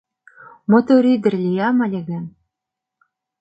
Мотор ӱдыр лиям ыле гын